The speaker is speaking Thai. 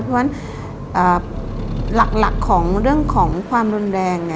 เพราะฉะนั้นหลักของเรื่องของความรุนแรง